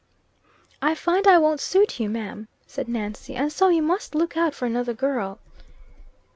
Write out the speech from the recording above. "I find I won't suit you, ma'am," said Nancy, "and so you must look out for another girl."